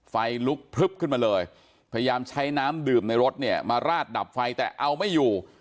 ไฟลุกพลึบขึ้นมาเลยพยายามใช้น้ำดื่มในรถเนี่ยมาราดดับไฟแต่เอาไม่อยู่